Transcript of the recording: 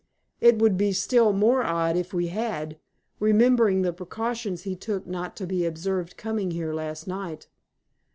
"It would be still more odd if we had, remembering the precautions he took not to be observed coming here last night."